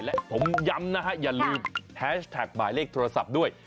และผมย้ำนะฮะอย่าลืมแฮชแท็กหมายเลขโทรศัพท์ด้วย